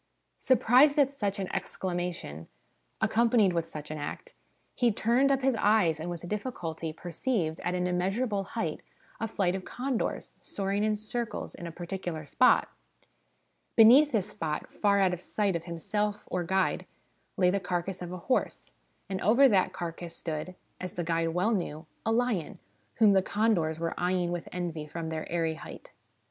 ' Surprised at such an excla mation, accompanied with such an act, he turned up his eyes, and with difficulty perceived, at an immeasurable height, a flight of condors, soaring in circles in a particular spot. Beneath this spot, far out of sight of himself or guide, lay the carcass of a horse, and over that carcass stood, as the guide well knew, a lion, whom the condors were eyeing with envy from their airy height.